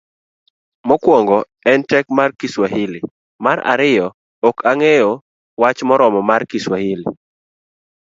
mokuongo en tek mar kiswahili .mar ariyo. Okong'eyo wach moromo mar kiswahili.